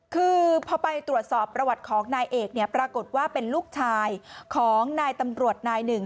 คือพอไปตรวจสอบประวัติของนายเอกเนี่ยปรากฏว่าเป็นลูกชายของนายตำรวจนายหนึ่ง